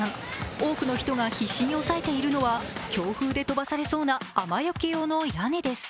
多くの人が必死に抑えているのは強風で飛ばされそうな雨よけ用の屋根です。